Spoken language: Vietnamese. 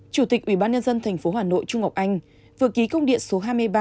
chủ tịch ubnd tp hà nội trung ngọc anh vừa ký công điện số hai mươi ba